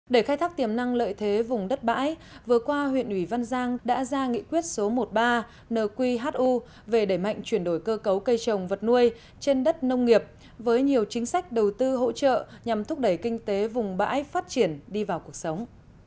để khai thác tiềm năng lợi thế vùng đất bãi vừa qua huyện ủy văn giang đã ra nghị quyết số một mươi ba nqu về đẩy mạnh chuyển đổi cơ cấu cây trồng vật nuôi trên đất nông nghiệp với nhiều chính sách đầu tư hỗ trợ nhằm thúc đẩy kinh tế vùng bãi phát triển đi vào cuộc sống